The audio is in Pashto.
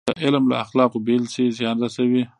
که علم له اخلاقو بېل شي، زیان رسوي.